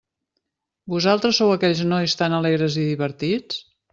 Vosaltres sou aquells nois tan alegres i divertits?